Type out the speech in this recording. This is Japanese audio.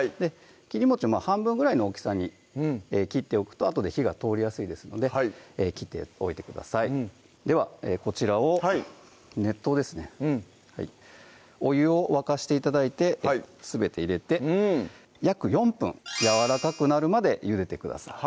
切りもち半分ぐらいの大きさに切っておくとあとで火が通りやすいですので切っておいてくださいではこちらを熱湯ですねお湯を沸かして頂いてすべて入れて約４分やわらかくなるまでゆでてください